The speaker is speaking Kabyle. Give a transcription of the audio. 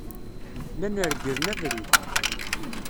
Llan reglen abrid.